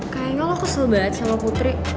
kayaknya lo kesel banget sama putri